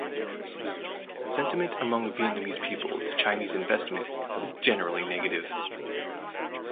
Sentiment among Vietnamese people to Chinese investment is generally negative.